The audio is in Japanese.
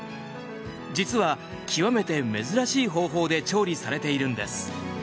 実は極めて珍しい方法で調理されているんです。